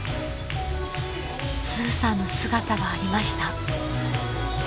［スーさんの姿がありました］